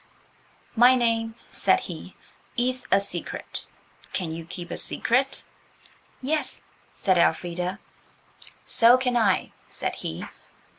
"My name," said he, "is a secret. Can you keep a secret?" "Yes," said Elfrida. "So can I," said he.